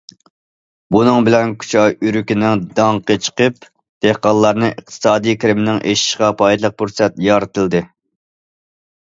بۇنىڭ بىلەن كۇچا ئۆرۈكىنىڭ داڭقى چىقىپ، دېھقانلارنىڭ ئىقتىسادىي كىرىمىنىڭ ئېشىشىغا پايدىلىق پۇرسەت يارىتىلدى.